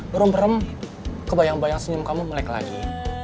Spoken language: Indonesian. berem perem kebayang bayang senyum kamu melek lagi